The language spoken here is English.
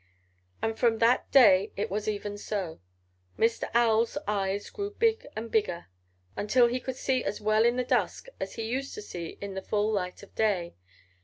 "And from that day it was even so. Mr. Owl's eyes grew big and bigger until he could see as well in the dusk as he used to see in the full light of day.